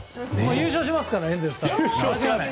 優勝しますから、エンゼルスは。